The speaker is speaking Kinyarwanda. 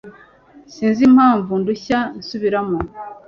Sinzi impamvu ndushya nsubiramo.